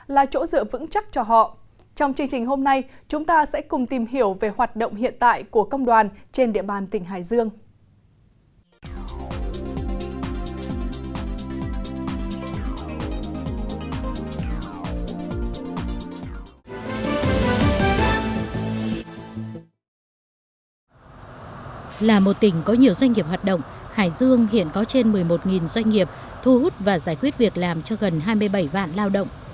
là một tỉnh có nhiều doanh nghiệp hoạt động hải dương hiện có trên một mươi một doanh nghiệp thu hút và giải quyết việc làm cho gần hai mươi bảy lao động